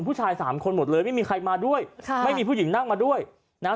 ผู้ชายสามคนหมดเลยไม่มีใครมาด้วยค่ะไม่มีผู้หญิงนั่งมาด้วยนะฮะ